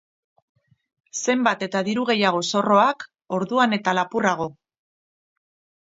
Zenbat eta diru gehiago zorroak, orduan eta lapurrago.